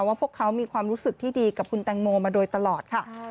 ว่าพวกเขามีความรู้สึกที่ดีกับคุณแตงโมมาโดยตลอดค่ะ